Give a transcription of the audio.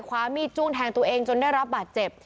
ความมีดจ้วงแทงตัวเองจนได้รับบาดเจ็บ